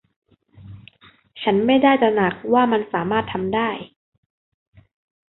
ฉันไม่ได้ตระหนักว่ามันสามารถทำได้